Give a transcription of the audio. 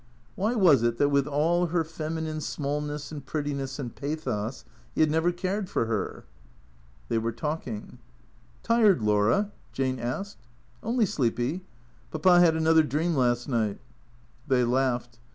Why was it that with all her feminine smallness and prettiness and pathos he had never cared for her ? They were talking. " Tired, Laura ?" Jane asked. " Only sleepy. Papa had another dream last night." They laughed.